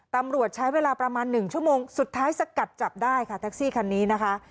ตำรวจใช้เวลาประมาณ๑ชั่วโมงสุดท้ายสกัดจับได้ค่ะแท็กซี่คันนี้นะคะ